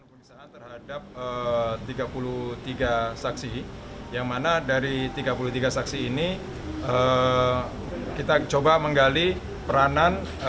pemeriksaan terhadap tiga puluh tiga saksi yang mana dari tiga puluh tiga saksi ini kita coba menggali peranan